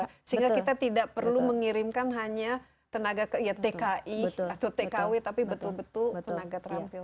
sehingga kita tidak perlu mengirimkan hanya tenaga tki atau tkw tapi betul betul tenaga terampil